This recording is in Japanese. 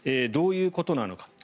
どういうことなのか。